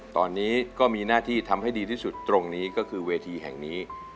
ตอนนี้ก็มีหน้าที่ทำให้ดีที่สุดตรงนี้ก็คือเวทีแห่งนี้